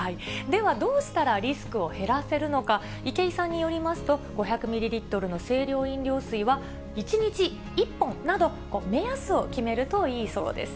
ではどうしたらリスクを減らせるのか、池井さんによりますと、５００ミリリットルの清涼飲料水は、１日１本など目安を決めるといいそうです。